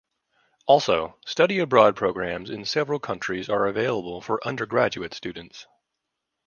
Also, study abroad programs in several countries are available for undergraduate students.